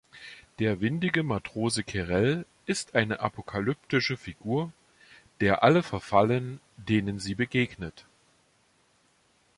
Der windige Matrose Querelle ist eine apokalyptische Figur, der alle verfallen, denen sie begegnet.